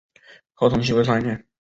合同期为三年。